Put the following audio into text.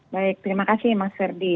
baik terima kasih mas ferdi